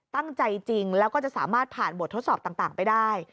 จริงแล้วก็จะสามารถผ่านบททดสอบต่างไปได้